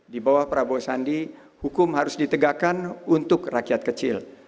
di bawah prabowo sandi hukum harus ditegakkan untuk rakyat kecil